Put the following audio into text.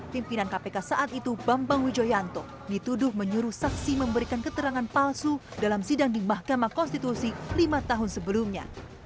pimpinan kpk saat itu bambang wijoyanto dituduh menyuruh saksi memberikan keterangan palsu dalam sidang di mahkamah konstitusi lima tahun sebelumnya